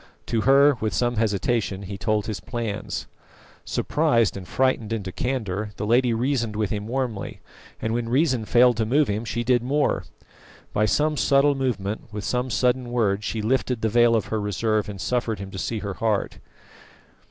To her, with some hesitation, he told his plans. Surprised and frightened into candour, the lady reasoned with him warmly, and when reason failed to move him she did more. By some subtle movement, with some sudden word, she lifted the veil of her reserve and suffered him to see her heart.